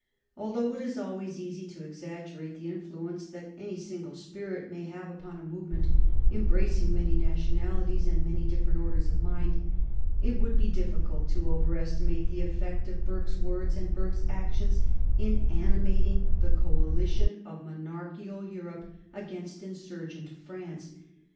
Although it is always easy to exaggerate the influence that any single spirit may have upon a movement embracing many nationalities and many different orders of mind, it would be difficult to overestimate the effect of Burke's words and Burke's actions in animating the coalition of monarchical Europe against insurgent France.